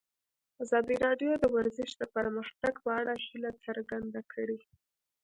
ازادي راډیو د ورزش د پرمختګ په اړه هیله څرګنده کړې.